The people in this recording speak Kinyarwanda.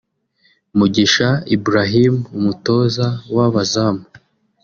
Mugisha Ibrahim (Umutoza w’abazamu)